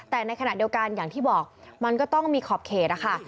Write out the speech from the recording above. แต่ในขณะเดียวกันอย่างที่บอกมันก็ต้องมีขอบเขตนะคะ